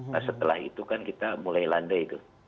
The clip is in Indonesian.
nah setelah itu kan kita mulai landai itu